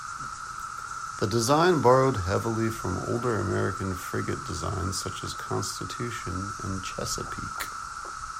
The design borrowed heavily from older American frigate designs such as "Constitution" and "Chesapeake".